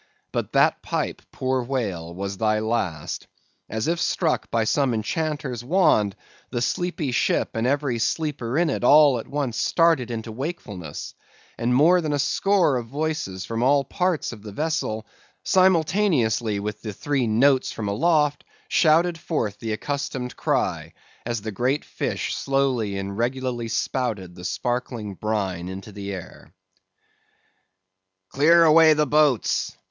But that pipe, poor whale, was thy last. As if struck by some enchanter's wand, the sleepy ship and every sleeper in it all at once started into wakefulness; and more than a score of voices from all parts of the vessel, simultaneously with the three notes from aloft, shouted forth the accustomed cry, as the great fish slowly and regularly spouted the sparkling brine into the air. "Clear away the boats!